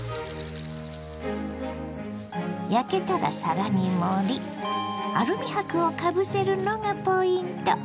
焼けたら皿に盛りアルミ箔をかぶせるのがポイント。